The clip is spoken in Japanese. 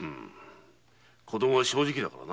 子供は正直だからな。